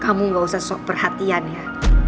kamu gak usah perhatian ya